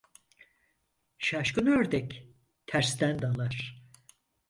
Şaşkın ördek, tersten dalar.